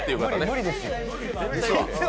無理です。